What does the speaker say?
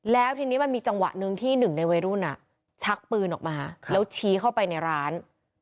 แล้วทีนี้มันมีจังหวะหนึ่งที่หนึ่งในวัยรุ่นชักปืนออกมาแล้วชี้เข้าไปในร้าน